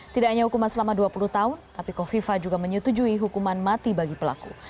tidak hanya hukuman selama dua puluh tahun tapi kofifa juga menyetujui hukuman mati bagi pelaku